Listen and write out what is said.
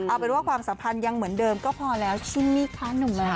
เอาเป็นว่าความสัมพันธ์ยังเหมือนเดิมก็พอแล้วชิมมี่พระหนุ่มแล้ว